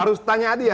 harus tanya adian